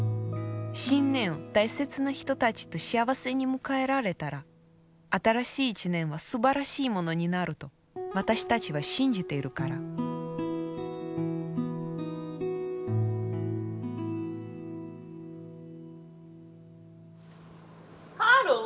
新年を大切な人たちと幸せに迎えられたら新しい一年はすばらしいものになると私たちは信じているからハロー！